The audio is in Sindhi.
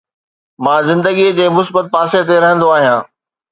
مان زندگي جي مثبت پاسي تي رهندو آهيان